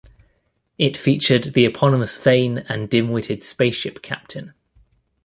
It featured the eponymous vain and dimwitted spaceship captain.